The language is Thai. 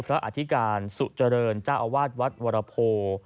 พระอธิกาลสุจรรย์จ้าวาสวัสดิ์วรพโพ